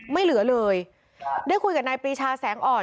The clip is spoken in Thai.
ไม่เหลือเลยได้คุยกับนายปรีชาแสงอ่อน